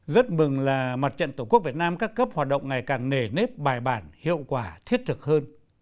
rất mừng là mặt trận tổ quốc việt nam các cấp hoạt động ngày càng nề nếp bài bản hiệu quả thiết thực hơn